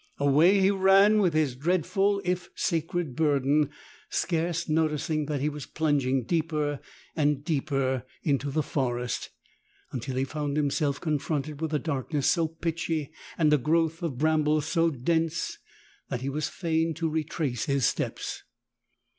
Away he ran with his dreadful, if sacred, burden, scarce noticing that he was plunging deeper and deeper into the forest — until he found himself confronted with a darkness so pitchy and a growth of brambles so dense that he was fain to retrace his steps.